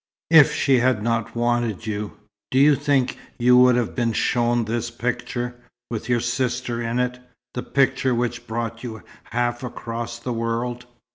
"If she had not wanted you, do you think you would have been shown this picture, with your sister in it, the picture which brought you half across the world?